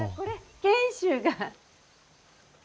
賢秀が。